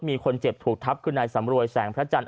มีคนเจ็บถูกทับคือนายสำรวยแสงพระจันท